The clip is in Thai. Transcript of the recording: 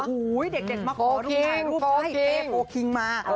โอ้โหเด็กมาขอดูถ่ายรูปให้เป้โพลคิงมา